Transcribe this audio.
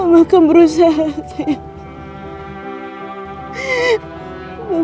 mama akan berusaha sayang